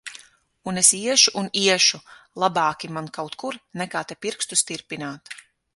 Un es iešu un iešu! Labāki man kaut kur, nekā te, pirkstus tirpināt.